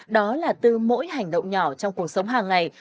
đó là từ mỗi hành động nhỏ trong cuộc sống hàng ngày